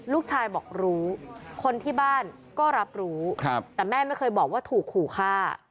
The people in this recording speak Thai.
ลูกชายบอกรู้คนที่บ้านก็รับรู้แต่แม่ไม่เคยบอกว่าถูกขู่ฆ่า